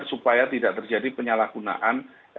supaya tidak terjadi penyalahgunaan